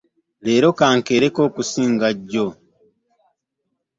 Leero ka nkeereko okusinga jjo.